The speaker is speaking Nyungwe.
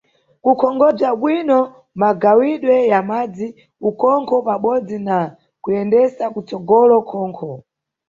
Kukonkhobza bwino magawidwe ya madzi, ukhonkho pabodzi na kuyendesa kutsogolo khonkho.